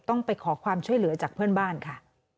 ต้องไปขอความช่วยเหลือจากเพื่อนบ้านค่ะ